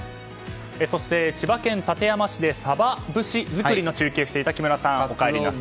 そして、千葉県館山市でサバ節づくりの中継していた木村さんお帰りなさい。